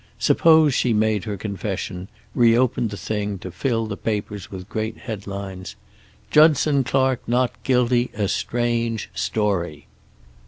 Suppose she made her confession, re opened the thing, to fill the papers with great headlines, "Judson Clark Not Guilty. A Strange Story."